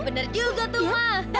bener juga tuh ma